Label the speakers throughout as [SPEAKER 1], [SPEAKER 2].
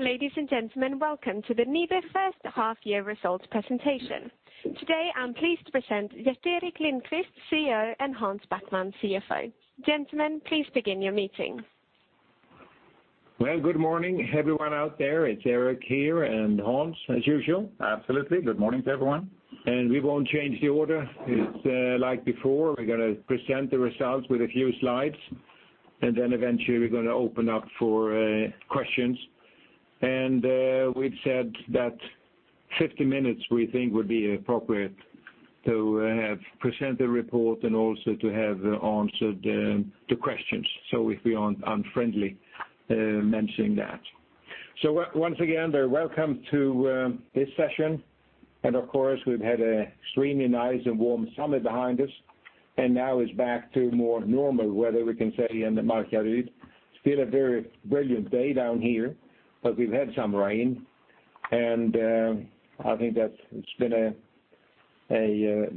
[SPEAKER 1] Ladies and gentlemen, welcome to the NIBE first half year results presentation. Today, I'm pleased to present, Gerteric Lindquist, CEO, and Hans Backman, CFO. Gentlemen, please begin your meeting.
[SPEAKER 2] Well, good morning, everyone out there. It's Gerteric here and Hans, as usual.
[SPEAKER 3] Absolutely. Good morning to everyone.
[SPEAKER 2] We won't change the order. It's like before. We're going to present the results with a few slides, and then eventually we're going to open up for questions. We've said that 50 minutes, we think, would be appropriate to have presented the report and also to have answered the questions. We'll be unfriendly mentioning that. Once again, welcome to this session, and of course, we've had an extremely nice and warm summer behind us, and now it's back to more normal weather, we can say, in Markaryd. It's still a very brilliant day down here, but we've had some rain, and I think that it's been a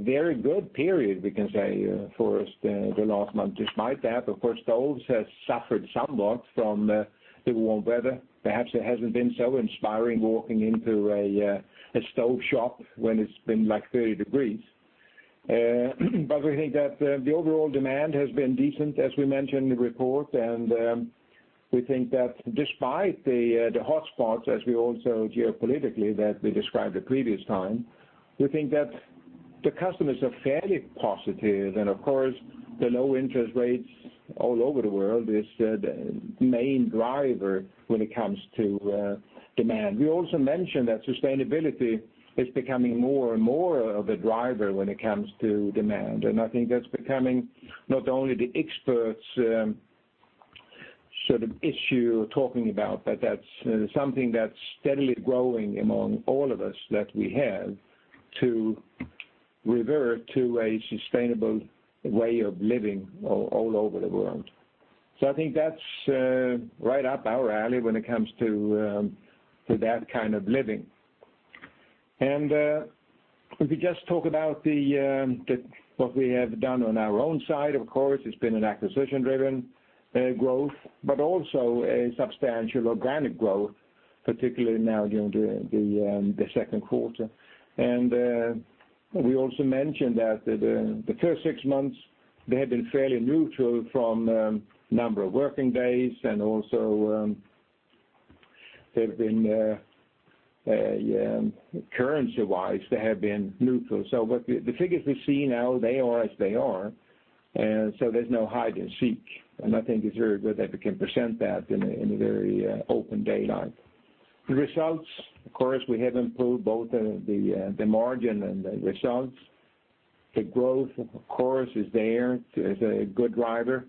[SPEAKER 2] very good period, we can say, for us the last month. Despite that, of course, stoves have suffered somewhat from the warm weather. Perhaps it hasn't been so inspiring walking into a stove shop when it's been like 30 degrees. We think that the overall demand has been decent, as we mentioned in the report, and we think that despite the hotspots, as we also geopolitically, that we described the previous time, we think that the customers are fairly positive. Of course, the low interest rates all over the world is the main driver when it comes to demand. We also mentioned that sustainability is becoming more and more of a driver when it comes to demand. I think that's becoming not only the experts' sort of issue talking about, but that's something that's steadily growing among all of us that we have to revert to a sustainable way of living all over the world. I think that's right up our alley when it comes to that kind of living. If we just talk about what we have done on our own side, of course, it's been an acquisition-driven growth, but also a substantial organic growth, particularly now during the second quarter. We also mentioned that the first six months, they had been fairly neutral from number of working days and also currency-wise, they have been neutral. The figures we see now, they are as they are, there's no hide and seek, and I think it's very good that we can present that in a very open daylight. The results, of course, we have improved both the margin and the results. The growth, of course, is there as a good driver.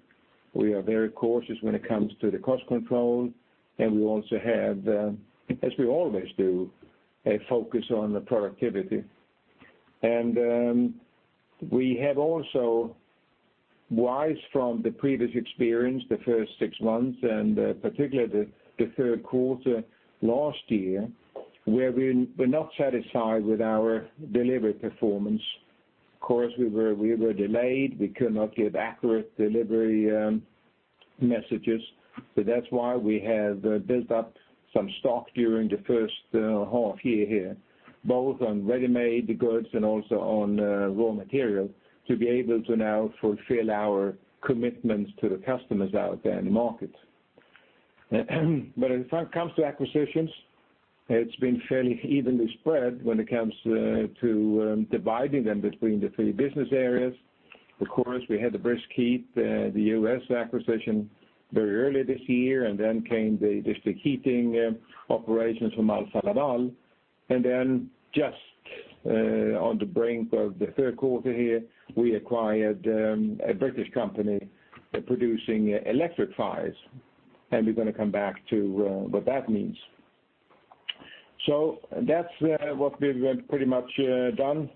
[SPEAKER 2] We are very cautious when it comes to the cost control, and we also have, as we always do, a focus on the productivity. We have also, wise from the previous experience, the first six months, and particularly the third quarter last year, where we were not satisfied with our delivery performance. Of course, we were delayed. We could not give accurate delivery messages. That's why we have built up some stock during the first half year here, both on ready-made goods and also on raw material, to be able to now fulfill our commitments to the customers out there in the market. When it comes to acquisitions, it's been fairly evenly spread when it comes to dividing them between the three business areas. Of course, we had the BriskHeat, the U.S. acquisition, very early this year, then came the district heating operations from Alfa Laval. Then just on the brink of the third quarter here, we acquired a British company producing electric fires, and we're going to come back to what that means. That's what we've pretty much done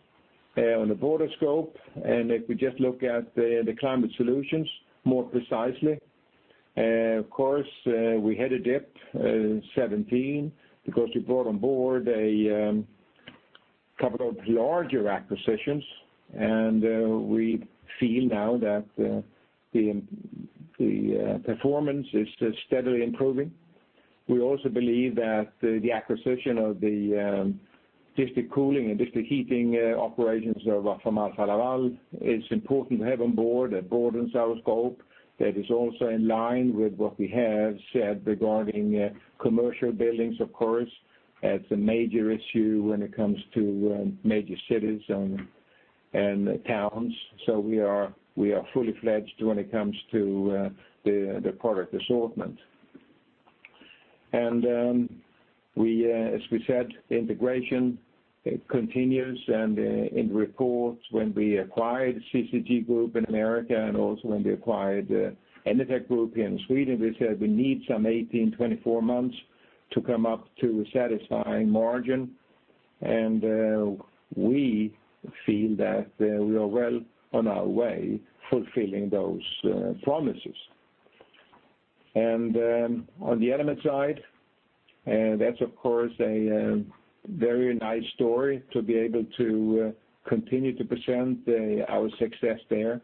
[SPEAKER 2] on the broader scope, and if we just look at the Climate Solutions more precisely. Of course, we had a dip in 2017 because we brought on board a couple of larger acquisitions, and we feel now that the performance is steadily improving. We also believe that the acquisition of the district cooling and district heating operations from Alfa Laval is important to have on board. That broadens our scope. That is also in line with what we have said regarding commercial buildings, of course. We are fully fledged when it comes to the product assortment. As we said, integration continues, and in reports, when we acquired CCG Group in America and also when we acquired Enertech Group in Sweden, we said we need some 18-24 months to come up to a satisfying margin. We feel that we are well on our way fulfilling those promises. On the Element side, that's of course a very nice story to be able to continue to present our success there.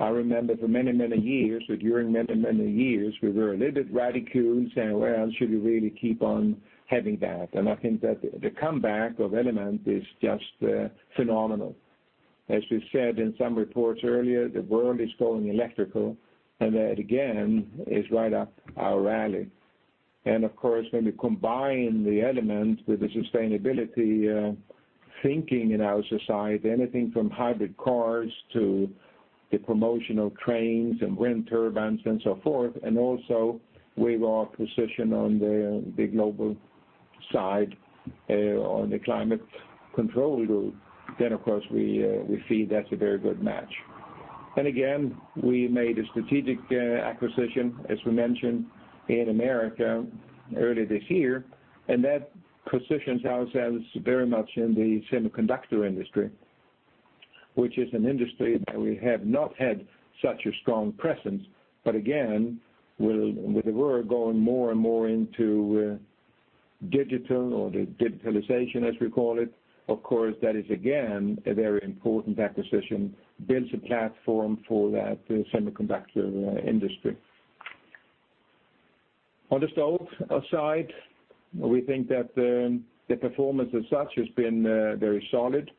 [SPEAKER 2] I remember for many years, or during many years, we were a little bit reticent saying, "Well, should we really keep on having that?" I think that the comeback of Element is just phenomenal. As we said in some reports earlier, the world is going electrical, that, again, is right up our alley. Of course, when we combine the Element with the sustainability thinking in our society, anything from hybrid cars to the promotion of trains and wind turbines and so forth, also with our position on the global side on the Climate Control Group, of course, we see that's a very good match. Again, we made a strategic acquisition, as we mentioned, in America earlier this year, that positions ourselves very much in the semiconductor industry, which is an industry that we have not had such a strong presence. Again, with the world going more and more into digital or the digitalization, as we call it, of course, that is, again, a very important acquisition, builds a platform for that semiconductor industry. On the stove side, we think that the performance as such has been very solid.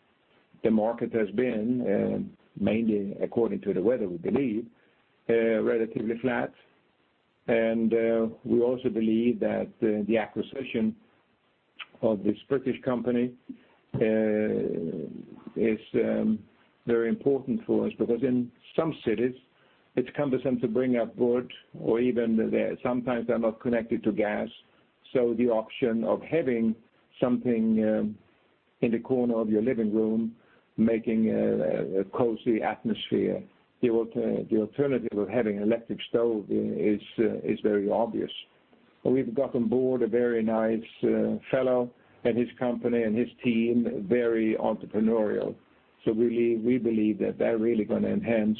[SPEAKER 2] The market has been, mainly according to the weather, we believe, relatively flat. We also believe that the acquisition of this British company is very important for us, because in some cities it's cumbersome to bring up wood or even sometimes they're not connected to gas. The option of having something in the corner of your living room making a cozy atmosphere, the alternative of having electric stove is very obvious. We've got on board a very nice fellow and his company and his team, very entrepreneurial. We believe that they're really going to enhance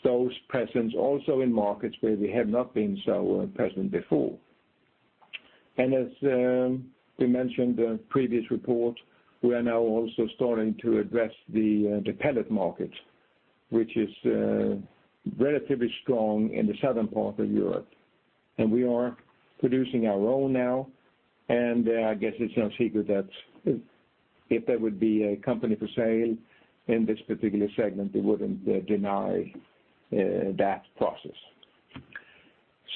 [SPEAKER 2] stove's presence also in markets where we have not been so present before. As we mentioned the previous report, we are now also starting to address the pellet market, which is relatively strong in the southern part of Europe. We are producing our own now, I guess it's no secret that if there would be a company for sale in this particular segment, we wouldn't deny that process.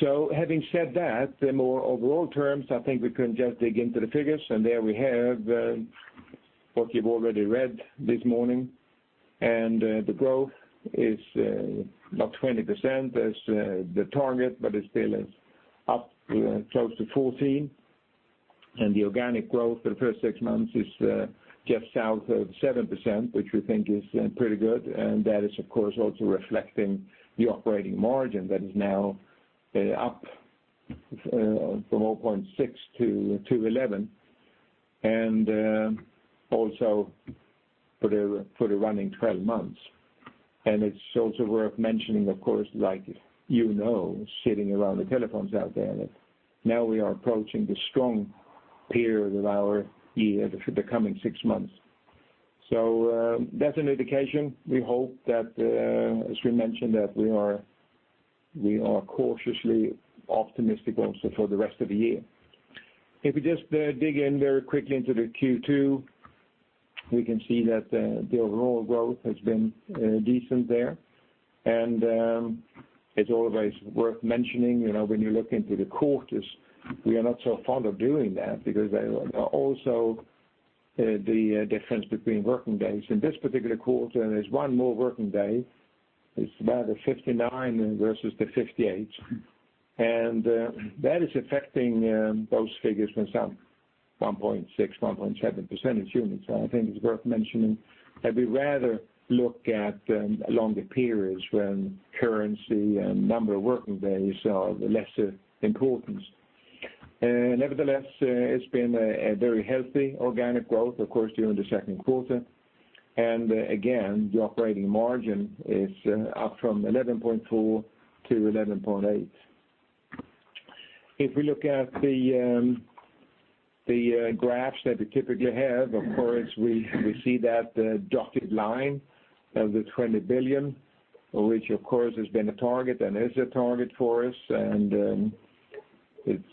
[SPEAKER 2] Having said that, the more overall terms, I think we can just dig into the figures, there we have what you've already read this morning, the growth is not 20% as the target, it still is up close to 14%. The organic growth for the first six months is just south of 7%, which we think is pretty good. That is, of course, also reflecting the operating margin that is now up from 0.6% to 11%, also for the running 12 months. It's also worth mentioning, of course, like you know, sitting around the telephones out there, that now we are approaching the strong period of our year for the coming six months. That's an indication. We hope that, as we mentioned, that we are cautiously optimistic also for the rest of the year. If you just dig in very quickly into the Q2, we can see that the overall growth has been decent there. It's always worth mentioning, when you look into the quarters, we are not so fond of doing that because they are also the difference between working days. In this particular quarter, there's one more working day. It's rather 59 versus the 58. That is affecting those figures for some 1.6, 1.7 percentage units. I think it's worth mentioning that we rather look at longer periods when currency and number of working days are of lesser importance. Nevertheless, it's been a very healthy organic growth, of course, during the second quarter. Again, the operating margin is up from 11.4% to 11.8%. If we look at the graphs that we typically have, of course, we see that dotted line of the 20 billion, which, of course, has been a target and is a target for us.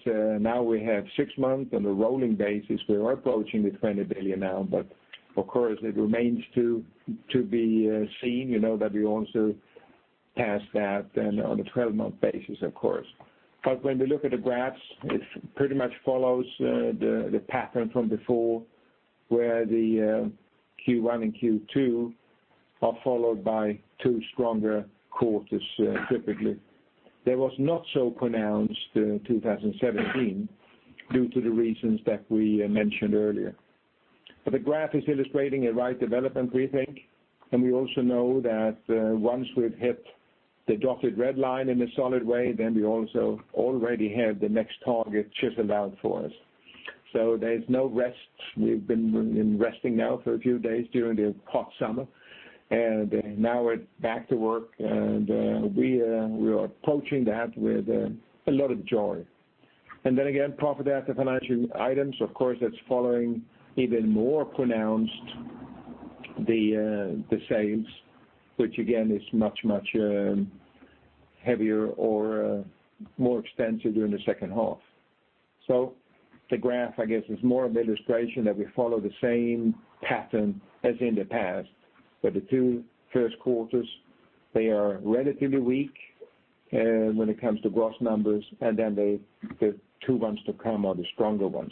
[SPEAKER 2] Now we have six months on a rolling basis. We are approaching the 20 billion now, of course, it remains to be seen, that we also pass that then on a 12-month basis, of course. When we look at the graphs, it pretty much follows the pattern from before, where the Q1 and Q2 are followed by two stronger quarters, typically. That was not so pronounced in 2017 due to the reasons that we mentioned earlier. The graph is illustrating a right development, we think, and we also know that once we've hit the dotted red line in a solid way, then we also already have the next target chiseled out for us. There's no rest. We've been resting now for a few days during the hot summer, now we're back to work, and we are approaching that with a lot of joy. Again, profit after financial items, of course, that's following even more pronounced the sales, which again is much heavier or more extensive during the second half. The graph, I guess, is more of an illustration that we follow the same pattern as in the past, where the two first quarters are relatively weak when it comes to gross numbers, then the two months to come are the stronger ones.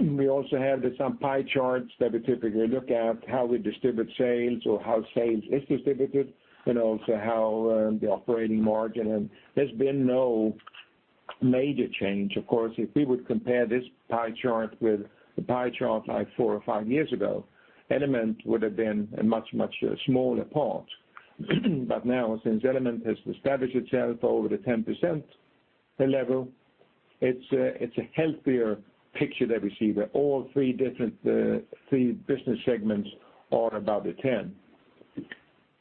[SPEAKER 2] We also have some pie charts that we typically look at how we distribute sales or how sales is distributed, and also how the operating margin. There's been no major change. Of course, if we would compare this pie chart with the pie chart four or five years ago, Element would have been a much smaller part. Now, since Element has established itself over the 10% level, it's a healthier picture that we see, where all three business segments are above 10%.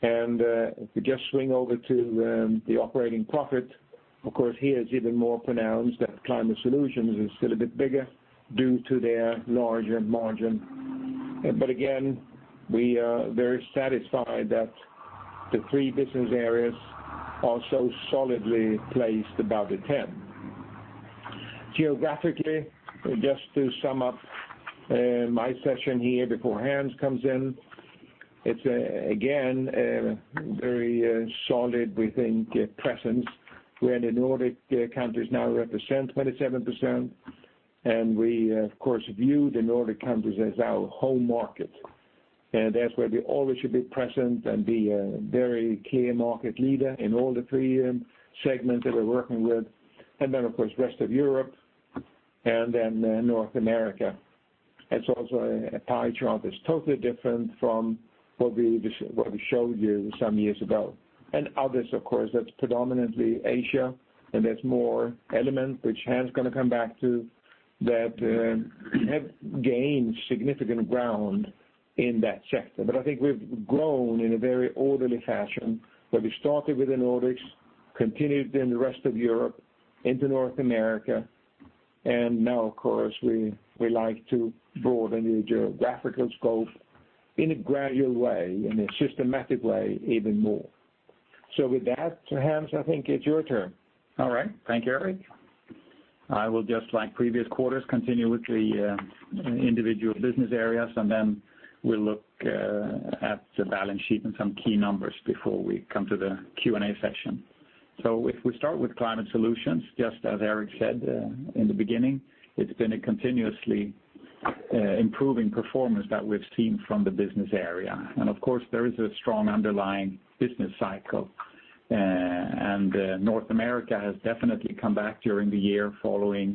[SPEAKER 2] If we just swing over to the operating profit, of course, here it's even more pronounced that Climate Solutions is still a bit bigger due to their larger margin. We are very satisfied that the three business areas are so solidly placed above the 10%. Geographically, just to sum up my session here before Hans comes in, it's again a very solid, we think, presence where the Nordic countries now represent 27%, and we, of course, view the Nordic countries as our home market. That's where we always should be present and be a very clear market leader in all the three segments that we're working with. Then, of course, rest of Europe and then North America. It's also a pie chart that's totally different from what we showed you some years ago. Others, of course, that's predominantly Asia, and there's more Element, which Hans is going to come back to, that have gained significant ground in that sector. I think we've grown in a very orderly fashion, where we started with the Nordics, continued in the rest of Europe into North America. Now, of course, we like to broaden the geographical scope in a gradual way, in a systematic way even more. With that, Hans, I think it's your turn.
[SPEAKER 3] All right. Thank you, Eric. I will just, like previous quarters, continue with the individual business areas, we'll look at the balance sheet and some key numbers before we come to the Q&A session. If we start with Climate Solutions, just as Eric said in the beginning, it's been a continuously improving performance that we've seen from the business area. Of course, there is a strong underlying business cycle, North America has definitely come back during the year following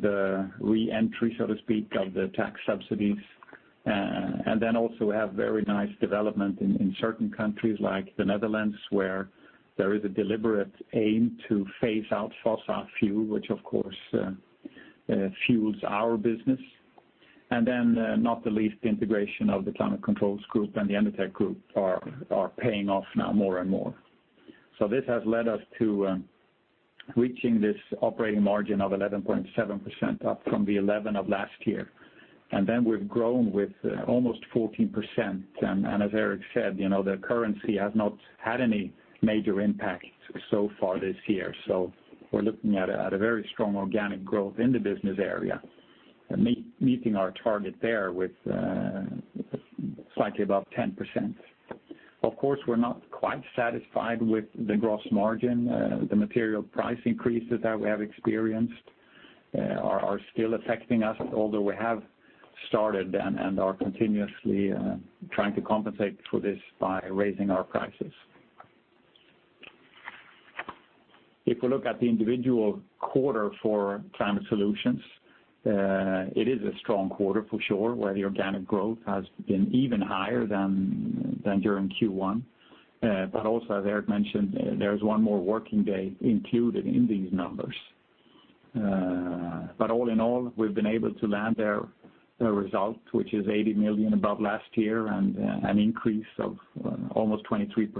[SPEAKER 3] the re-entry, so to speak, of the tax subsidies. Also have very nice development in certain countries, like the Netherlands, where there is a deliberate aim to phase out fossil fuel, which of course, fuels our business. Not the least, the integration of the Climate Control Group and the Enertech Group are paying off now more and more. This has led us to reaching this operating margin of 11.7%, up from the 11% of last year. We've grown with almost 14%. As Eric said, the currency has not had any major impact so far this year. We're looking at a very strong organic growth in the business area, meeting our target there with slightly above 10%. Of course, we're not quite satisfied with the gross margin. The material price increases that we have experienced are still affecting us, although we have started and are continuously trying to compensate for this by raising our prices. If we look at the individual quarter for Climate Solutions, it is a strong quarter for sure, where the organic growth has been even higher than during Q1. Also, as Eric mentioned, there is one more working day included in these numbers. All in all, we've been able to land a result which is 80 million above last year and an increase of almost 23%,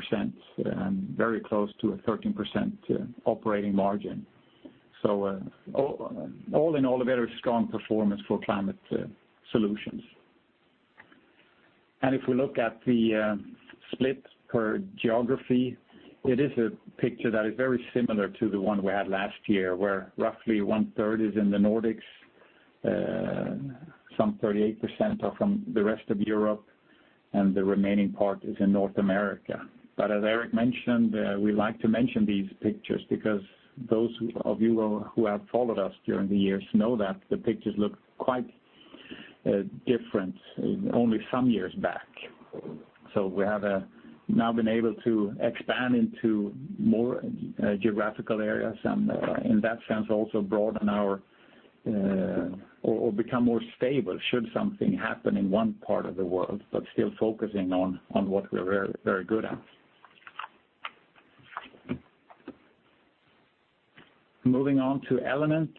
[SPEAKER 3] and very close to a 13% operating margin. All in all, a very strong performance for NIBE Climate Solutions. If we look at the split per geography, it is a picture that is very similar to the one we had last year, where roughly one-third is in the Nordics, some 38% are from the rest of Europe, and the remaining part is in North America. As Gerteric mentioned, we like to mention these pictures because those of you who have followed us during the years know that the pictures looked quite different only some years back. We have now been able to expand into more geographical areas, and in that sense, also broaden our or become more stable should something happen in one part of the world, but still focusing on what we're very good at. Moving on to NIBE Element.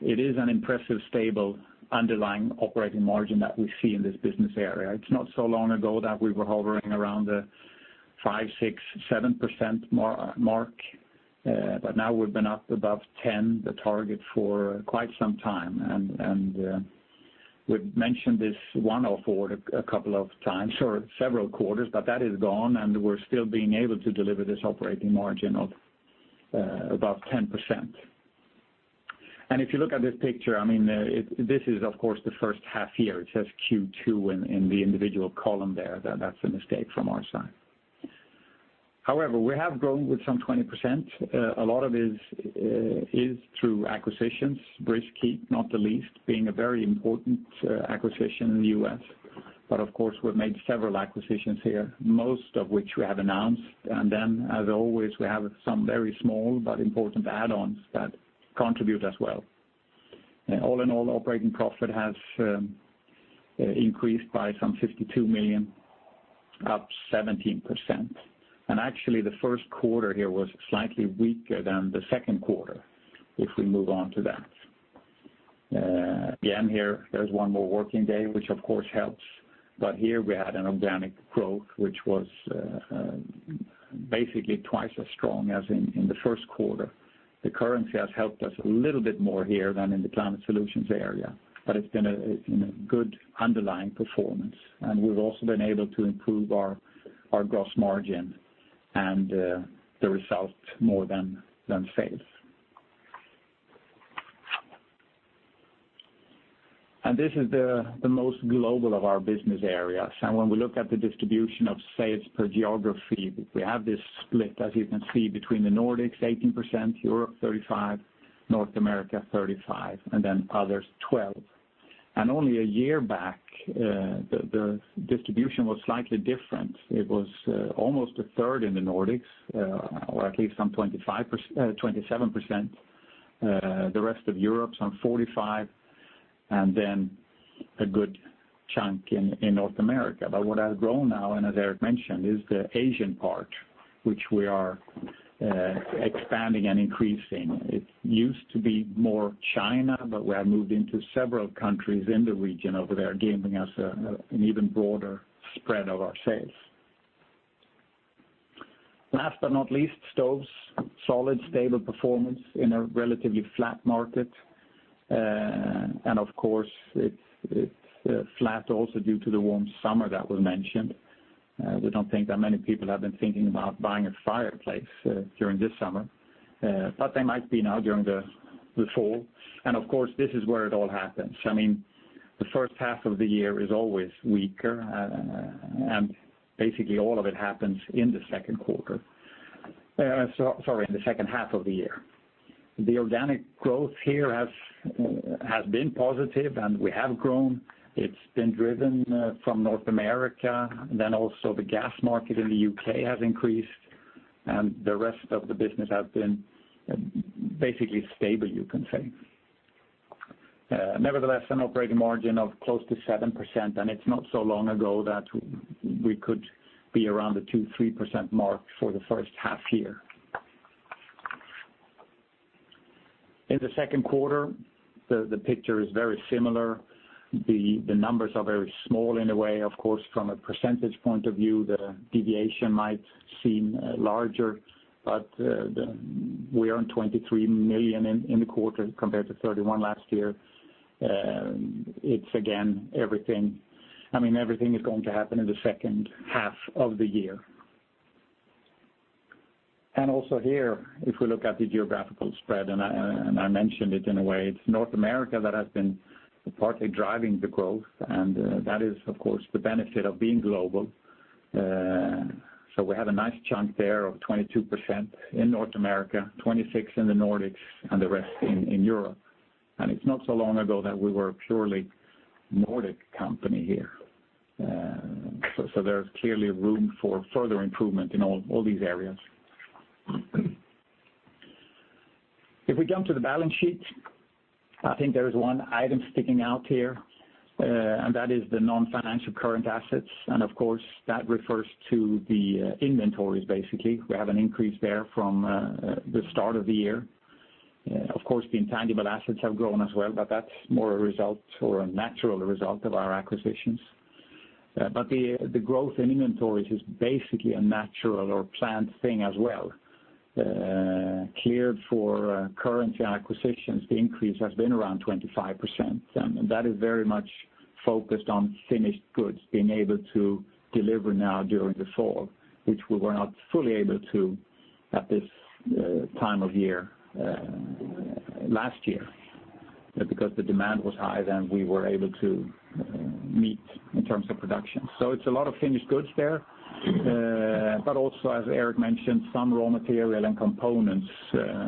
[SPEAKER 3] It is an impressive, stable underlying operating margin that we see in this business area. It's not so long ago that we were hovering around the 5%, 6%, 7% mark, but now we've been up above 10%, the target, for quite some time. We've mentioned this one-off a couple of times, or several quarters, but that is gone, and we're still being able to deliver this operating margin of about 10%. If you look at this picture, this is of course the first half year. It says Q2 in the individual column there. That's a mistake from our side. We have grown with some 20%. A lot of it is through acquisitions. BriskHeat, not the least, being a very important acquisition in the U.S., but of course, we've made several acquisitions here, most of which we have announced. As always, we have some very small but important add-ons that contribute as well. All in all, operating profit has increased by some 52 million, up 17%. Actually, the first quarter here was slightly weaker than the second quarter, if we move on to that. Here, there's one more working day, which of course helps. But here we had an organic growth, which was basically twice as strong as in the first quarter. The currency has helped us a little bit more here than in the NIBE Climate Solutions area, but it's been a good underlying performance, and we've also been able to improve our gross margin and the result more than sales. This is the most global of our business areas. When we look at the distribution of sales per geography, we have this split, as you can see, between the Nordics, 18%, Europe, 35%, North America, 35%, and then others, 12%. Only a year back, the distribution was slightly different. It was almost a third in the Nordics, or at least some 27%, the rest of Europe, some 45%, and then a good chunk in North America. What has grown now, and as Gerteric mentioned, is the Asian part, which we are expanding and increasing. It used to be more China, but we have moved into several countries in the region over there, giving us an even broader spread of our sales. Last but not least, stoves. Solid, stable performance in a relatively flat market. Of course, it's flat also due to the warm summer that was mentioned. We don't think that many people have been thinking about buying a fireplace during this summer. They might be now during the fall. Of course, this is where it all happens. The first half of the year is always weaker, and basically all of it happens in the second half of the year. It's been driven from North America. Also the gas market in the U.K. has increased, and the rest of the business has been basically stable, you can say. Nevertheless, an operating margin of close to 7%, and it's not so long ago that we could be around the 2%, 3% mark for the first half year. In the second quarter, the picture is very similar. The numbers are very small in a way. Of course, from a percentage point of view, the deviation might seem larger, but we are on 23 million in the quarter compared to 31 last year. Everything is going to happen in the second half of the year. Also here, if we look at the geographical spread, and I mentioned it in a way, it's North America that has been partly driving the growth, that is, of course, the benefit of being global. We have a nice chunk there of 22% in North America, 26% in the Nordics, and the rest in Europe. It's not so long ago that we were a purely Nordic company here. There's clearly room for further improvement in all these areas. If we jump to the balance sheet, I think there is one item sticking out here, that is the non-financial current assets, of course, that refers to the inventories, basically. We have an increase there from the start of the year. Of course, the intangible assets have grown as well, but that's more a result or a natural result of our acquisitions. The growth in inventories is basically a natural or planned thing as well. Cleared for currency acquisitions, the increase has been around 25%, that is very much focused on finished goods being able to deliver now during the fall, which we were not fully able to at this time of year last year, because the demand was higher than we were able to meet in terms of production. It's a lot of finished goods there, but also, as Gerteric mentioned, some raw material and components,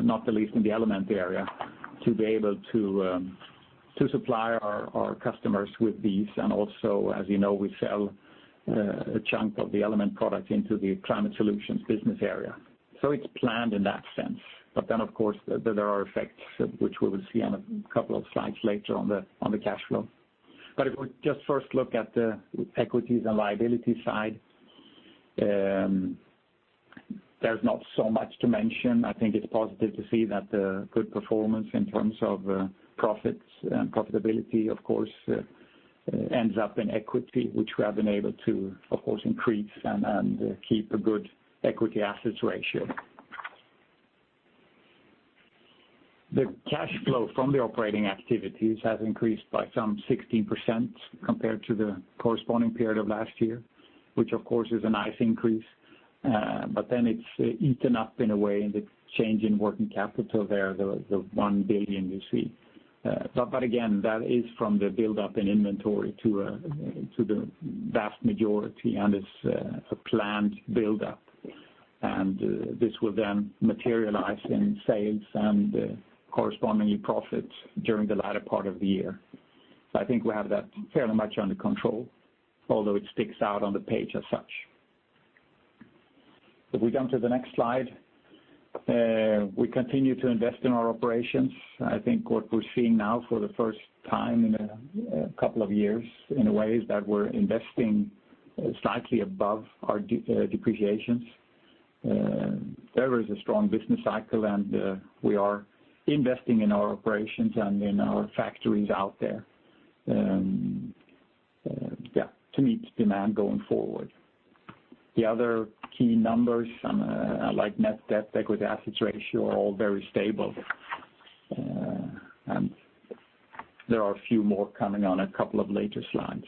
[SPEAKER 3] not the least in the Element area, to be able to supply our customers with these. Also, as you know, we sell a chunk of the Element product into the Climate Solutions business area. It's planned in that sense. Of course, there are effects which we will see on a couple of slides later on the cash flow. If we just first look at the equities and liability side. There's not so much to mention. I think it's positive to see that the good performance in terms of profits and profitability, of course, ends up in equity, which we have been able to, of course, increase and keep a good equity assets ratio. The cash flow from the operating activities has increased by some 16% compared to the corresponding period of last year, which of course is a nice increase. It's eaten up in a way in the change in working capital there, the 1 billion you see. That is from the buildup in inventory to the vast majority, and it's a planned buildup, and this will then materialize in sales and correspondingly profits during the latter part of the year. I think we have that fairly much under control, although it sticks out on the page as such. If we come to the next slide, we continue to invest in our operations. I think what we're seeing now for the first time in a couple of years, in a way, is that we're investing slightly above our depreciations. There is a strong business cycle, and we are investing in our operations and in our factories out there to meet demand going forward. The other key numbers, like net debt, equity assets ratio, are all very stable. There are a few more coming on a couple of later slides.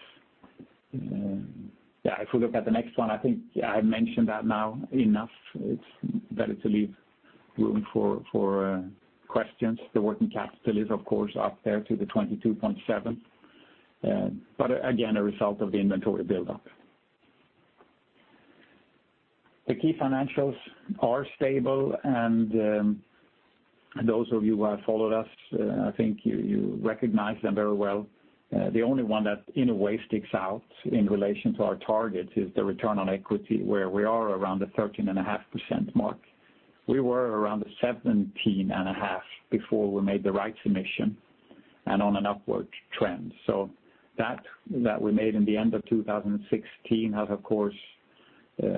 [SPEAKER 3] If we look at the next one, I think I've mentioned that now enough. It's better to leave room for questions. The working capital is, of course, up there to the 22.7%. A result of the inventory buildup. The key financials are stable, and those of you who have followed us, I think you recognize them very well. The only one that in a way sticks out in relation to our targets is the return on equity, where we are around the 13.5% mark. We were around the 17.5% before we made the rights emission and on an upward trend. That we made in the end of 2016 has of course,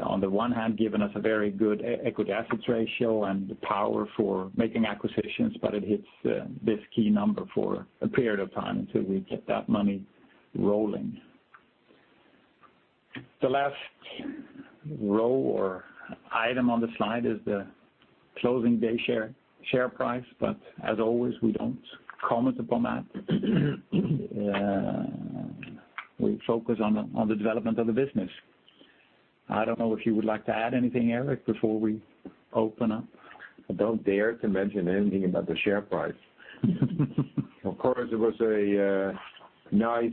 [SPEAKER 3] on the one hand, given us a very good equity assets ratio and the power for making acquisitions, but it hits this key number for a period of time until we get that money rolling. The last row or item on the slide is the closing day share price, but as always, we don't comment upon that. We focus on the development of the business. I don't know if you would like to add anything, Eric, before we open up.
[SPEAKER 2] I don't dare to mention anything about the share price. Of course, it was a nice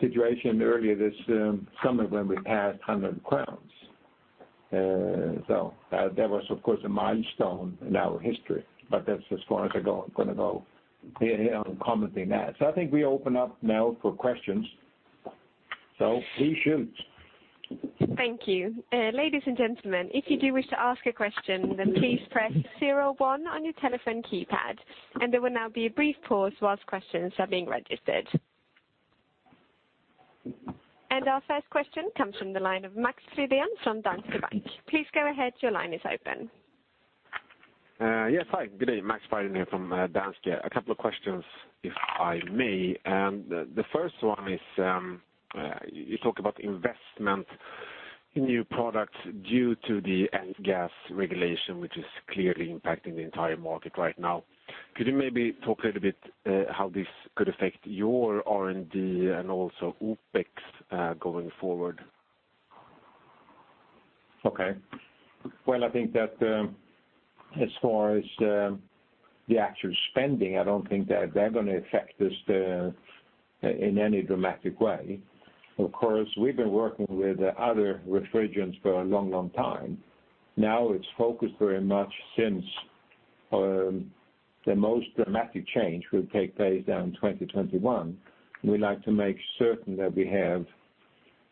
[SPEAKER 2] situation earlier this summer when we passed 100 crowns. That was of course a milestone in our history, but that's as far as I'm going to go on commenting that. I think we open up now for questions, please shoot.
[SPEAKER 1] Thank you. Ladies and gentlemen, if you do wish to ask a question, then please press 01 on your telephone keypad. There will now be a brief pause whilst questions are being registered. Our first question comes from the line of Max Frydén from Danske Bank. Please go ahead, your line is open.
[SPEAKER 4] Yes, hi, good day. Max Frydén here from Danske. A couple of questions if I may. The first one is, you talk about investment in new products due to the F-gas regulation, which is clearly impacting the entire market right now. Could you maybe talk a little bit how this could affect your R&D and also OpEx going forward?
[SPEAKER 2] Okay. Well, I think that as far as the actual spending, I don't think that they're going to affect us in any dramatic way. Of course, we've been working with other refrigerants for a long time. Now it's focused very much since the most dramatic change will take place down in 2021. We like to make certain that we have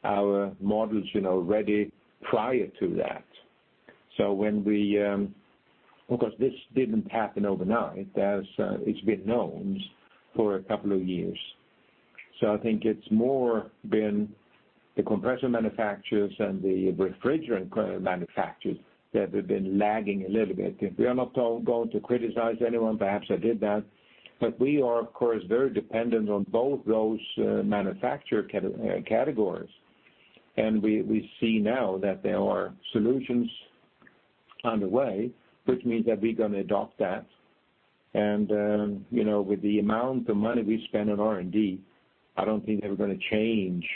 [SPEAKER 2] our models ready prior to that. Of course, this didn't happen overnight, as it's been known for a couple of years. I think it's more been the compressor manufacturers and the refrigerant manufacturers that have been lagging a little bit. We are not going to criticize anyone. Perhaps I did that, but we are of course, very dependent on both those manufacturer categories. We see now that there are solutions on the way, which means that we're going to adopt that. With the amount of money we spend on R&D, I don't think they're going to change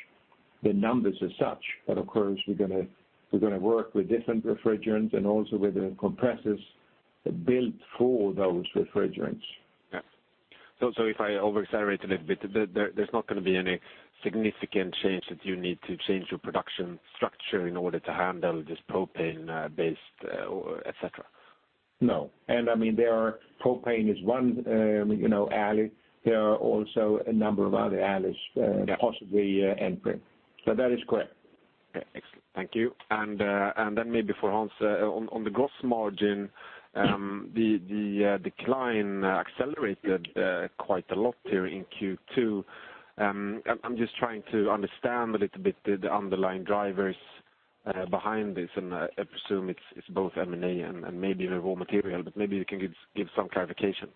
[SPEAKER 2] the numbers as such, but of course, we're going to work with different refrigerants and also with the compressors built for those refrigerants.
[SPEAKER 4] If I overexaggerate a little bit, there's not going to be any significant change that you need to change your production structure in order to handle this propane-based or et cetera?
[SPEAKER 2] I mean, propane is one alley. There are also a number of other alleys possibly entering.
[SPEAKER 4] Right
[SPEAKER 2] That is correct.
[SPEAKER 4] Okay. Excellent. Thank you. Maybe for Hans, on the gross margin, the decline accelerated quite a lot here in Q2. I'm just trying to understand a little bit the underlying drivers behind this, and I presume it's both M&A and maybe the raw material, but maybe you can give some clarification.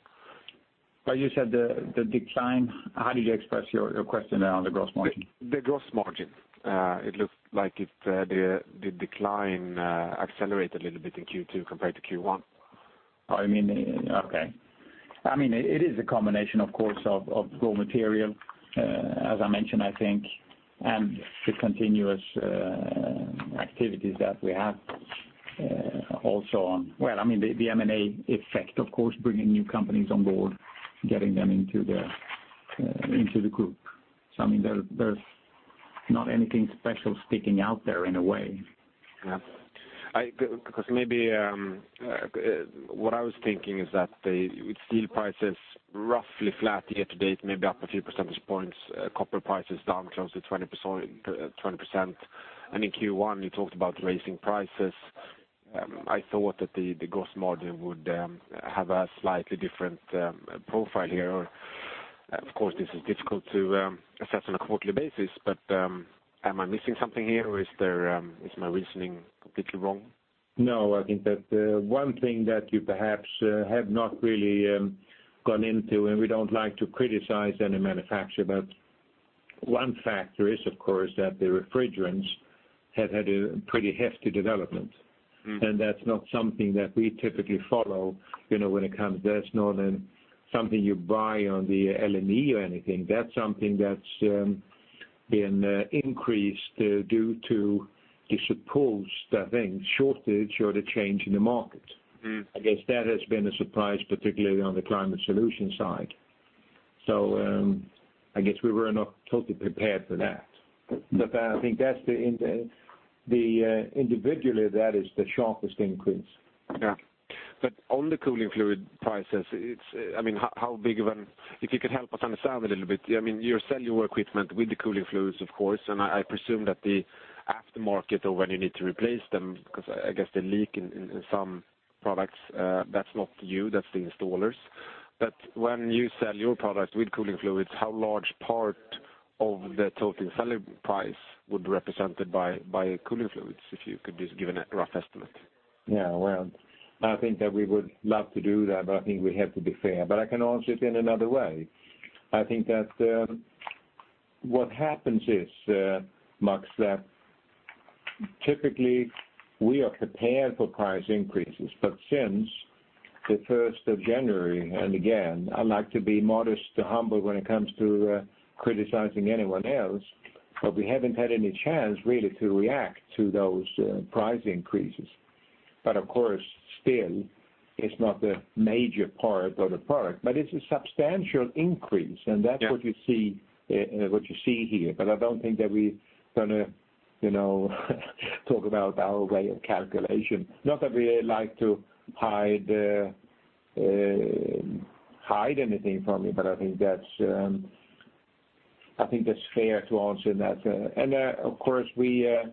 [SPEAKER 3] You said the decline. How did you express your question there on the gross margin?
[SPEAKER 4] The gross margin, it looks like the decline accelerated a little bit in Q2 compared to Q1.
[SPEAKER 3] Oh, okay. It is a combination, of course, of raw material, as I mentioned, I think, and the continuous activities that we have also on. The M&A effect, of course, bringing new companies on board, getting them into the group. There's not anything special sticking out there in a way.
[SPEAKER 4] What I was thinking is that the steel price is roughly flat year to date, maybe up a few percentage points, copper price is down close to 20%. In Q1, you talked about raising prices. I thought that the gross margin would have a slightly different profile here. Of course, this is difficult to assess on a quarterly basis, but am I missing something here, or is my reasoning completely wrong?
[SPEAKER 3] No, I think that one thing that you perhaps have not really gone into, and we don't like to criticize any manufacturer, but one factor is, of course, that the refrigerants have had a pretty hefty development. That's not something that we typically follow, when it comes to that. It's not something you buy on the LME or anything. That's something that's been increased due to the supposed, I think, shortage or the change in the market. I guess that has been a surprise, particularly on the Climate Solution side. I guess we were not totally prepared for that. I think individually, that is the sharpest increase.
[SPEAKER 4] Yeah. On the cooling fluid prices, if you could help us understand a little bit, you sell your equipment with the cooling fluids, of course, and I presume that the aftermarket or when you need to replace them, because I guess they leak in some products, that's not you, that's the installers. When you sell your products with cooling fluids, how large part of the total selling price would represented by cooling fluids, if you could just give a rough estimate?
[SPEAKER 3] Yeah. Well, I think that we would love to do that, but I think we have to be fair. I can answer it in another way. I think that what happens is, Max Frydén, that typically we are prepared for price increases. Since the 1st of January, and again, I like to be modest, humble when it comes to criticizing anyone else, but we haven't had any chance really to react to those price increases. Of course, still, it's not the major part of the product, but it's a substantial increase, and that's what you see here. I don't think that we going to talk about our way of calculation. Not that we like to hide anything from you, but I think that's fair to answer that. Of course, there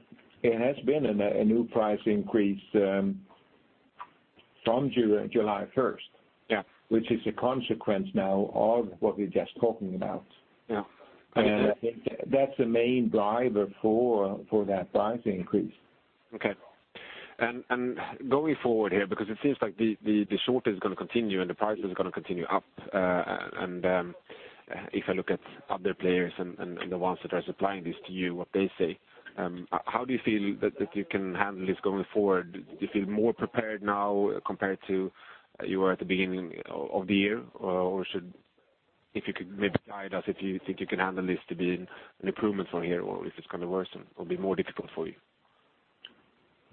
[SPEAKER 3] has been a new price increase from July 1st.
[SPEAKER 4] Yeah.
[SPEAKER 3] Which is a consequence now of what we're just talking about.
[SPEAKER 4] Yeah. Understood.
[SPEAKER 3] I think that's the main driver for that price increase.
[SPEAKER 4] Okay. Going forward here, because it seems like the shortage is going to continue, and the prices are going to continue up. If I look at other players and the ones that are supplying this to you, what they say, how do you feel that you can handle this going forward? Do you feel more prepared now compared to you were at the beginning of the year? Or if you could maybe guide us, if you think you can handle this to be an improvement from here or if it's going to worsen or be more difficult for you?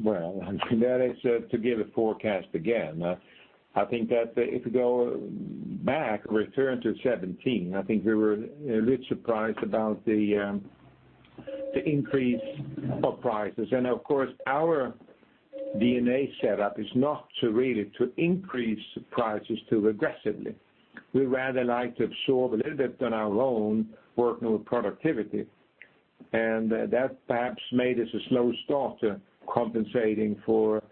[SPEAKER 3] Well, that is to give a forecast again. I think that if you go back, return to 2017, I think we were a little surprised about the increase of prices. Of course, our DNA setup is not to really to increase prices too aggressively. We'd rather like to absorb a little bit on our own, working with productivity. That perhaps made us a slow starter compensating for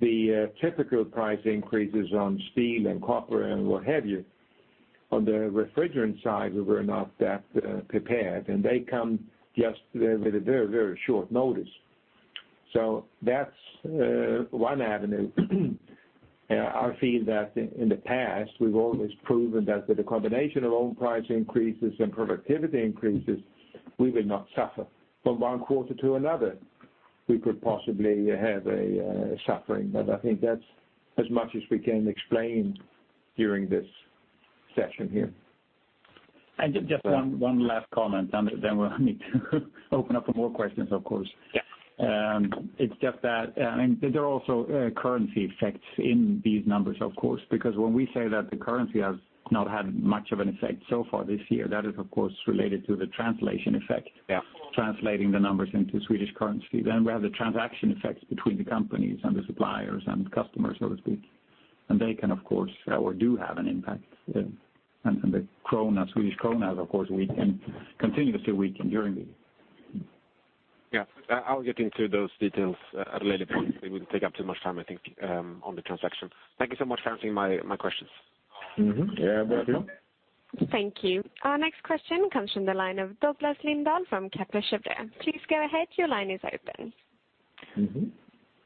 [SPEAKER 3] the typical price increases on steel and copper and what have you. On the refrigerant side, we were not that prepared, and they come just with a very short notice. That's one avenue. I feel that in the past, we've always proven that with the combination of own price increases and productivity increases, we will not suffer. From one quarter to another, we could possibly have a suffering, but I think that's as much as we can explain during this session here. Just one last comment, and then we'll need to open up for more questions, of course.
[SPEAKER 4] Yeah.
[SPEAKER 3] It's just that, there are also currency effects in these numbers, of course. When we say that the currency has not had much of an effect so far this year, that is, of course, related to the translation effect.
[SPEAKER 4] Yeah.
[SPEAKER 3] Translating the numbers into Swedish currency. We have the transaction effects between the companies and the suppliers and customers, so to speak. They can, of course, or do have an impact. The Swedish krona, of course, weakened, continuously weakened during the
[SPEAKER 4] Yeah. I'll get into those details at a later point. It will take up too much time, I think, on the transaction. Thank you so much for answering my questions.
[SPEAKER 2] Yeah, welcome.
[SPEAKER 1] Thank you. Our next question comes from the line of Douglas Lindahl from Kepler Cheuvreux. Please go ahead. Your line is open.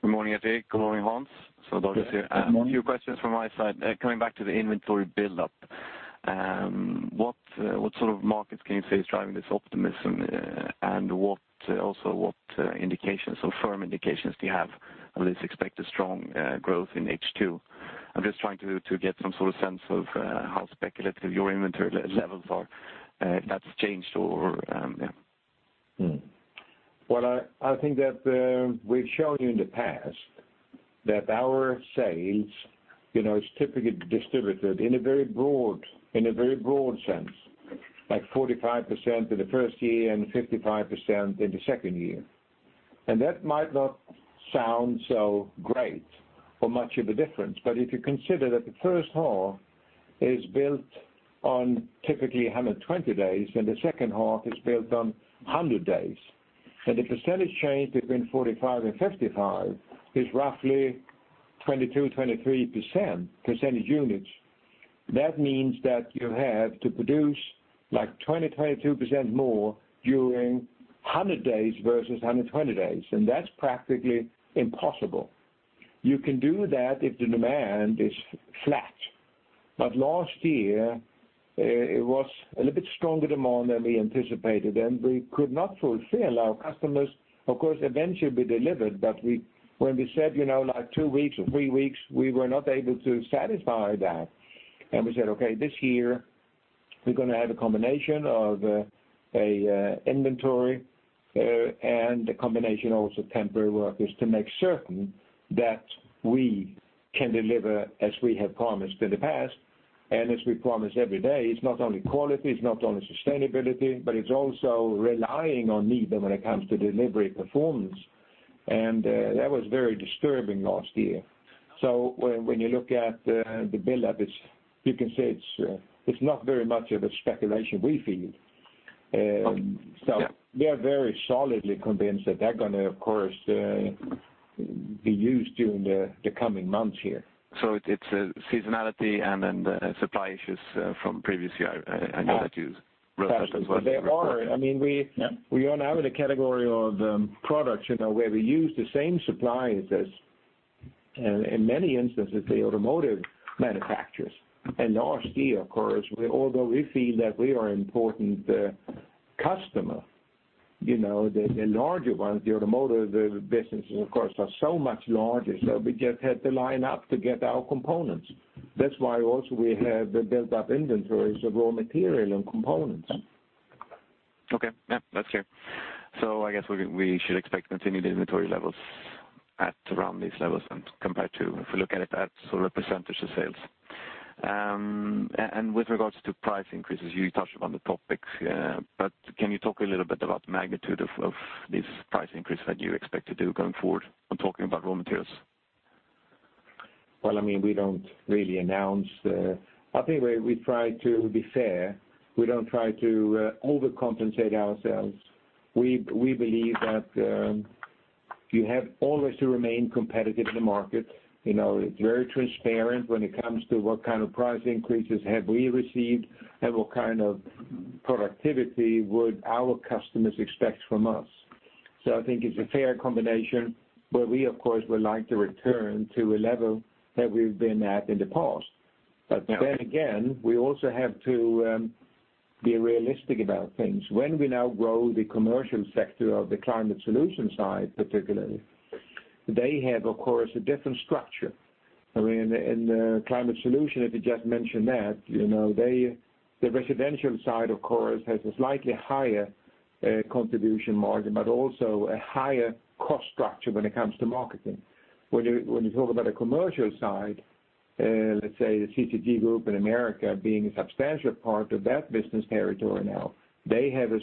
[SPEAKER 5] Good morning at you. Good morning, Hans. Douglas here.
[SPEAKER 2] Good morning.
[SPEAKER 5] A few questions from my side. Coming back to the inventory buildup, what sort of markets can you say is driving this optimism, and also, what firm indications do you have on this expected strong growth in H2? I'm just trying to get some sort of sense of how speculative your inventory levels are, if that's changed, or, yeah.
[SPEAKER 2] Well, I think that we've shown you in the past that our sales, it's typically distributed in a very broad sense, like 45% in the first year and 55% in the second year. That might not sound so great for much of a difference, but if you consider that the first half is built on typically 120 days and the second half is built on 100 days, and the percentage change between 45% and 55% is roughly 22%-23% percentage units. That means that you have to produce 20%-22% more during 100 days versus 120 days, and that's practically impossible. You can do that if the demand is flat. Last year, it was a little bit stronger demand than we anticipated, and we could not fulfill our customers. Of course, eventually, we delivered, but when we said two weeks or three weeks, we were not able to satisfy that. We said, "Okay, this year, we're going to have a combination of an inventory and the combination also temporary workers to make certain that we can deliver as we have promised in the past and as we promise every day." It's not only quality, it's not only sustainability, but it's also relying on NIBE when it comes to delivery performance, and that was very disturbing last year. When you look at the buildup, you can say it's not very much of a speculation we feel.
[SPEAKER 5] Okay. Yeah.
[SPEAKER 2] We are very solidly convinced that they're going to, of course, be used during the coming months here.
[SPEAKER 5] It's seasonality and then the supply issues from previous year. I know that you referenced as well in the report.
[SPEAKER 2] They are. We are now in a category of products, where we use the same suppliers as, in many instances, the automotive manufacturers. Last year, of course, although we feel that we are important customer, the larger ones, the automotive businesses, of course, are so much larger, so we just had to line up to get our components. That's why also we have built up inventories of raw material and components.
[SPEAKER 5] Okay. Yeah, that's clear. I guess we should expect continued inventory levels at around these levels compared to, if we look at it as sort of percentage of sales. With regards to price increases, you touched upon the topic, but can you talk a little bit about the magnitude of this price increase that you expect to do going forward? I'm talking about raw materials.
[SPEAKER 2] Well, I think we try to be fair. We don't try to overcompensate ourselves. We believe that you have always to remain competitive in the market. It's very transparent when it comes to what kind of price increases have we received and what kind of productivity would our customers expect from us. I think it's a fair combination, but we, of course, would like to return to a level that we've been at in the past. We also have to be realistic about things. When we now grow the commercial sector of the Climate Solution side, particularly, they have, of course, a different structure. In the Climate Solution, if you just mention that, the residential side, of course, has a slightly higher contribution margin, but also a higher cost structure when it comes to marketing. When you talk about a commercial side, let's say the CCG Group in the U.S. being a substantial part of that business territory now, they have a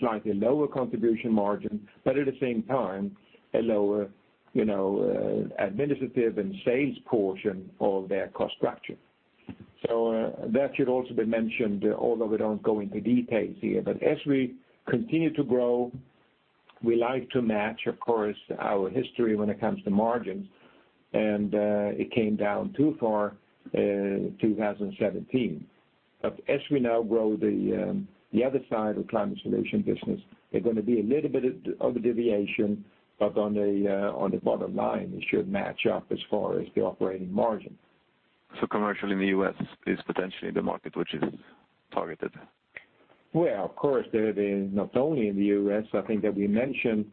[SPEAKER 2] slightly lower contribution margin, but at the same time, a lower administrative and sales portion of their cost structure. That should also be mentioned, although we don't go into details here. As we continue to grow, we like to match, of course, our history when it comes to margins, and it came down too far in 2017. As we now grow the other side of the NIBE Climate Solutions business, there's going to be a little bit of a deviation, but on the bottom line, it should match up as far as the operating margin.
[SPEAKER 5] Commercial in the U.S. is potentially the market which is targeted.
[SPEAKER 2] Well, of course, not only in the U.S. I think that we mentioned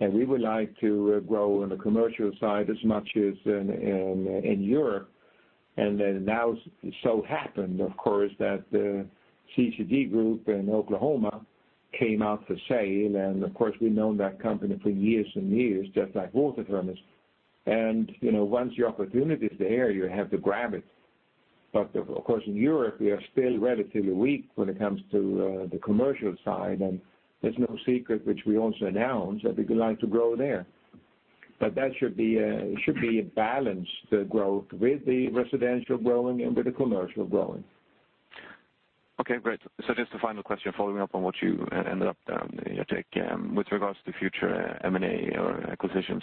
[SPEAKER 2] that we would like to grow on the commercial side as much as in Europe. Now it so happened, of course, that the CCG Group in Oklahoma came out for sale, and of course, we've known that company for years and years, just like WaterFurnace. Once your opportunity is there, you have to grab it. Of course, in Europe, we are still relatively weak when it comes to the commercial side, and it's no secret, which we also announced, that we'd like to grow there. That should be a balanced growth with the residential growing and with the commercial growing.
[SPEAKER 5] Okay, great. Just a final question following up on what you ended up, Gerteric, with regards to future M&A or acquisitions.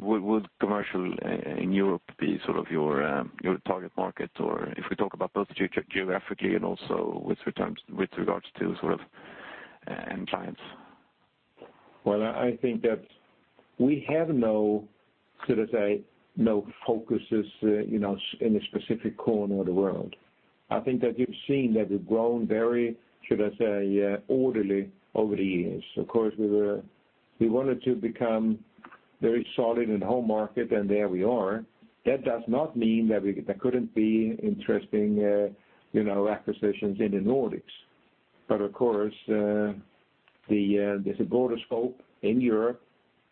[SPEAKER 5] Would commercial in Europe be your target market? If we talk about both geographically and also with regards to end clients.
[SPEAKER 2] Well, I think that we have no focuses in a specific corner of the world. I think that you've seen that we've grown very, should I say, orderly over the years. Of course, we wanted to become very solid in the home market, and there we are. That does not mean that there couldn't be interesting acquisitions in the Nordics. Of course, there's a broader scope in Europe,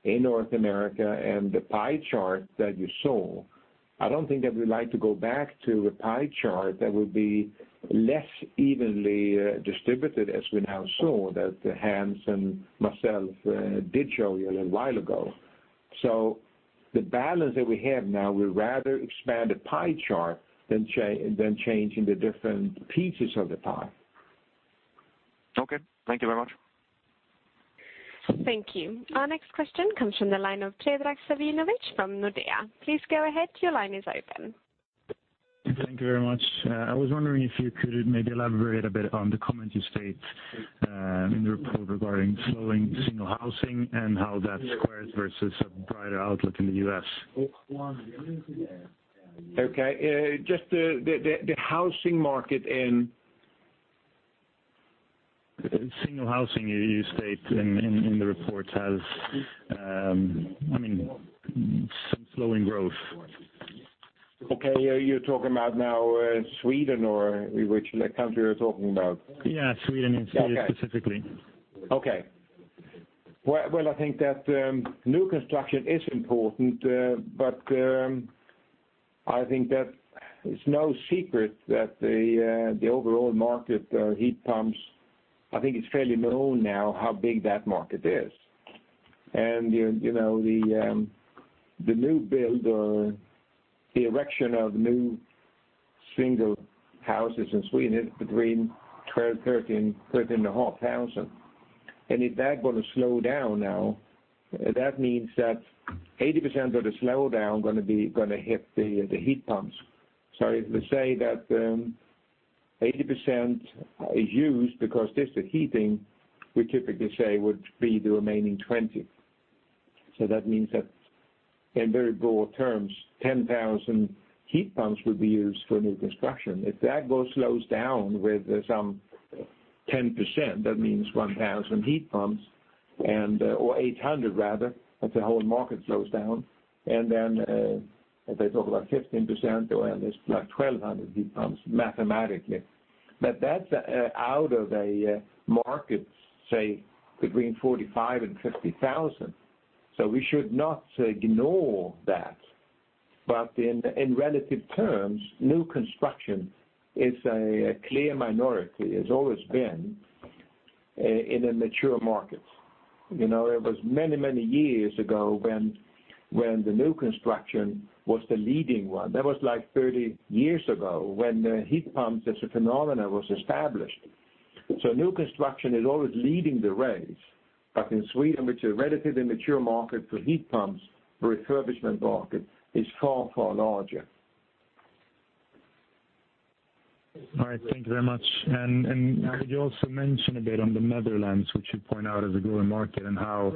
[SPEAKER 2] in North America, and the pie chart that you saw, I don't think that we'd like to go back to a pie chart that would be less evenly distributed as we now saw, that Hans and myself did show you a little while ago. The balance that we have now, we'd rather expand the pie chart than changing the different pieces of the pie.
[SPEAKER 5] Okay. Thank you very much.
[SPEAKER 1] Thank you. Our next question comes from the line of Predrag Savinovic from Nordea. Please go ahead. Your line is open.
[SPEAKER 6] Thank you very much. I was wondering if you could maybe elaborate a bit on the comment you state in the report regarding slowing single housing, and how that squares versus a brighter outlook in the U.S.
[SPEAKER 2] Okay. Just the housing market in
[SPEAKER 6] Single housing, you state in the report has some slowing growth.
[SPEAKER 2] Okay. You're talking about now Sweden, or which country are you talking about?
[SPEAKER 6] Yeah, Sweden and Sweden specifically.
[SPEAKER 2] Well, I think that new construction is important. I think that it's no secret that the overall market heat pumps, I think it's fairly known now how big that market is. The new build or the erection of new single houses in Sweden is between 12,000, 13,000, 13,500. If that going to slow down now, that means that 80% of the slowdown going to hit the heat pumps. If we say that 80% is used, because that's the heating, we typically say would be the remaining 20. That means that in very broad terms, 10,000 heat pumps would be used for new construction. If that slows down with some 10%, that means 1,000 heat pumps and/or 800 rather, if the whole market slows down. If they talk about 15%, it's like 1,200 heat pumps mathematically. That's out of a market, say between 45,000 and 50,000. We should not ignore that. In relative terms, new construction is a clear minority, has always been in a mature market. It was many years ago when the new construction was the leading one. That was like 30 years ago when the heat pump as a phenomenon was established. New construction is always leading the race. In Sweden, which is a relatively mature market for heat pumps, the refurbishment market is far larger.
[SPEAKER 6] All right, thank you very much. Could you also mention a bit on the Netherlands, which you point out as a growing market and how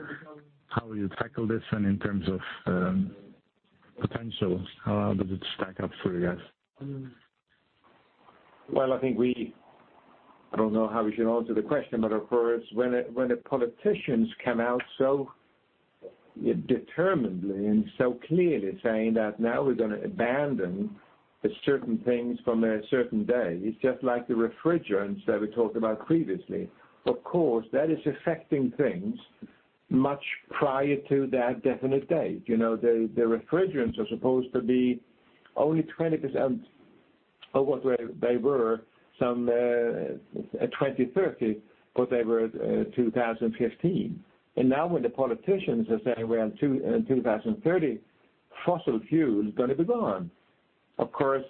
[SPEAKER 6] you tackle this, and in terms of potentials, how does it stack up for you guys?
[SPEAKER 2] Well, I don't know how we should answer the question, but of course, when the politicians come out so determinedly and so clearly saying that now we're going to abandon the certain things from a certain day, it's just like the refrigerants that we talked about previously. That is affecting things much prior to that definite date. The refrigerants are supposed to be only 20% of what they were at 2030 what they were at 2015. Now when the politicians are saying, well, in 2030, fossil fuel is going to be gone. The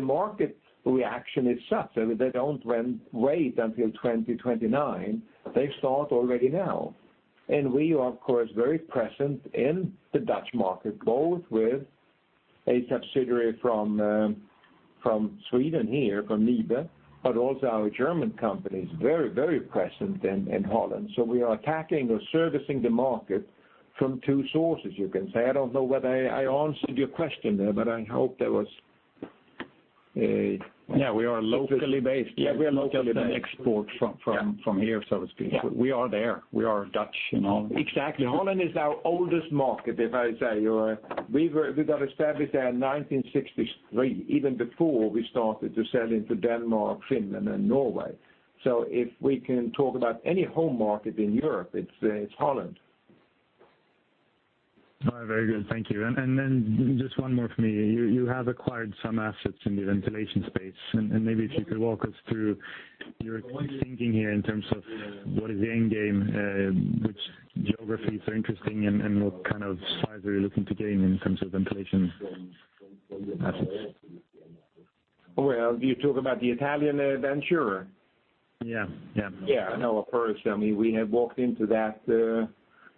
[SPEAKER 2] market reaction is such that they don't wait until 2029, they start already now. We are, of course, very present in the Dutch market, both with a subsidiary from Sweden here, from NIBE, but also our German company is very present in Holland. We are attacking or servicing the market from two sources, you can say. I don't know whether I answered your question there, but I hope that was a.
[SPEAKER 6] Yeah, we are locally based.
[SPEAKER 2] Yeah, we are locally based.
[SPEAKER 6] Not just an export from here, so to speak.
[SPEAKER 2] Yeah.
[SPEAKER 6] We are there. We are Dutch.
[SPEAKER 2] Exactly. Holland is our oldest market, if I say. We got established there in 1963, even before we started to sell into Denmark, Finland, and Norway. If we can talk about any home market in Europe, it's Holland.
[SPEAKER 6] All right. Very good. Thank you. Then just one more from me. You have acquired some assets in the ventilation space, maybe if you could walk us through your thinking here in terms of what is the end game, which geographies are interesting, and what kind of size are you looking to gain in terms of ventilation assets?
[SPEAKER 2] Do you talk about the Italian venture?
[SPEAKER 6] Yeah.
[SPEAKER 2] No, of course, we have walked into that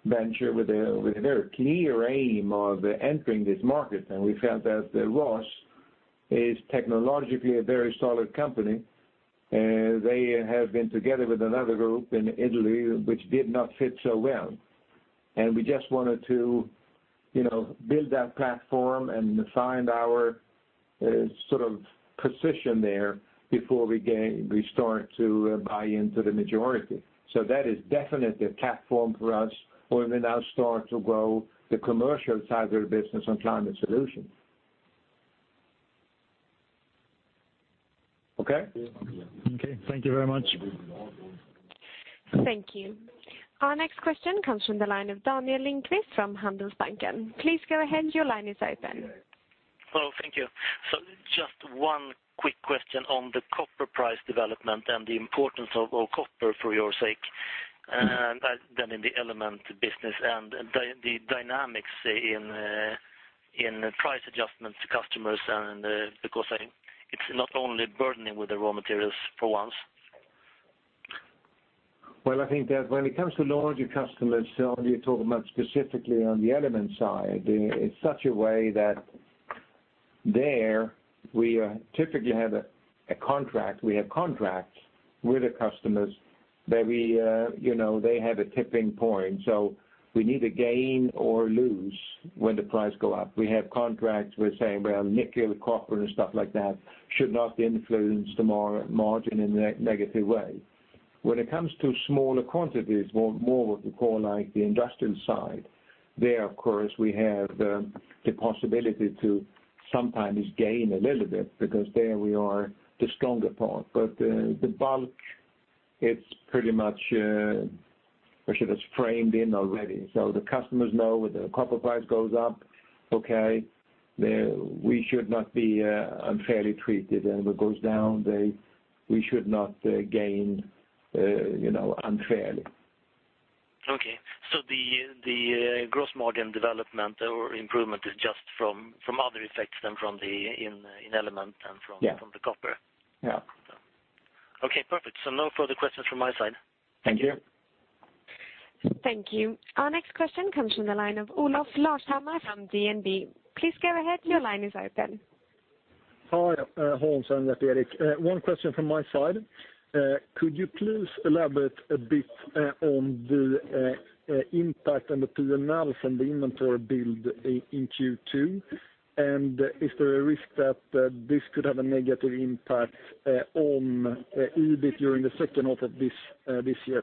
[SPEAKER 2] venture with a very clear aim of entering this market, and we felt that Rhoss is technologically a very solid company. They have been together with another group in Italy, which did not fit so well. We just wanted to build that platform and find our position there before we start to buy into the majority. That is definitely a platform for us, where we now start to grow the commercial side of the business on Climate Solutions. Okay?
[SPEAKER 6] Okay. Thank you very much.
[SPEAKER 1] Thank you. Our next question comes from the line of Daniel Lindkvist from Handelsbanken. Please go ahead. Your line is open.
[SPEAKER 7] Hello, thank you. Just one quick question on the copper price development and the importance of copper for your sake, than in the Element business and the dynamics in price adjustments to customers and, because it's not only burdening with the raw materials for once.
[SPEAKER 2] Well, I think that when it comes to larger customers, so when you talk about specifically on the Element side, it's such a way that there we typically have a contract. We have contracts with the customers that they have a tipping point. We neither gain or lose when the price go up. We have contracts, we're saying, well, nickel, copper, and stuff like that should not influence the margin in a negative way. When it comes to smaller quantities, more what you call like the industrial side, there, of course, we have the possibility to sometimes gain a little bit because there we are the stronger part. The bulk, it's pretty much, I should have framed in already. The customers know when the copper price goes up, okay, we should not be unfairly treated. It goes down, we should not gain unfairly.
[SPEAKER 7] Okay. The gross margin development or improvement is just from other effects than from the in Element and from-
[SPEAKER 2] Yeah
[SPEAKER 7] the copper.
[SPEAKER 2] Yeah.
[SPEAKER 7] Okay, perfect. No further questions from my side.
[SPEAKER 2] Thank you.
[SPEAKER 1] Thank you. Our next question comes from the line of Olof Larshammar from DNB. Please go ahead. Your line is open.
[SPEAKER 8] Hi, Hans and Gerteric. One question from my side. Could you please elaborate a bit on the impact on the P&L from the inventory build in Q2? Is there a risk that this could have a negative impact on EBIT during the second half of this year?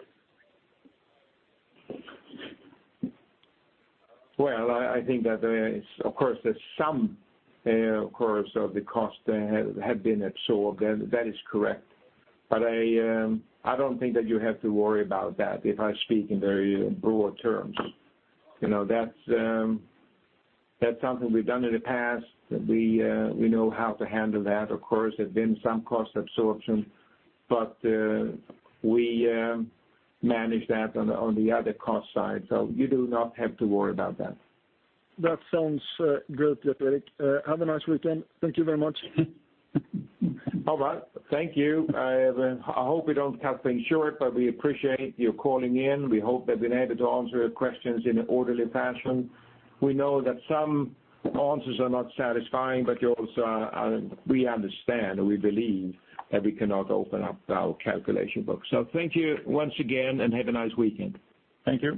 [SPEAKER 2] I think that there is, of course, some of the cost have been absorbed. That is correct. I don't think that you have to worry about that, if I speak in very broad terms. That's something we've done in the past. We know how to handle that. Of course, there's been some cost absorption, but we manage that on the other cost side. You do not have to worry about that.
[SPEAKER 8] That sounds great, Gerteric. Have a nice weekend. Thank you very much.
[SPEAKER 2] All right. Thank you. I hope we don't come short, but we appreciate you calling in. We hope we've been able to answer your questions in an orderly fashion. We know that some answers are not satisfying, but we understand and we believe that we cannot open up our calculation book. Thank you once again, and have a nice weekend.
[SPEAKER 8] Thank you